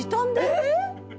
「えっ！」